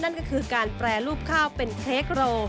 นั่นก็คือการแปรรูปข้าวเป็นเทคโร